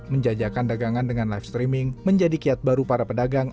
menjajakan dagangan dengan live streaming menjadi kiat baru para pedagang